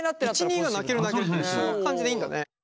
１位２位が泣ける泣けるってそんな感じでいいんだね。